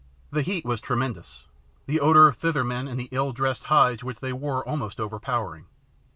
The heat was tremendous, the odour of Thither men and the ill dressed hides they wore almost overpowering.